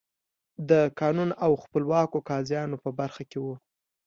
د قانون او خپلواکو قاضیانو په برخو کې وو.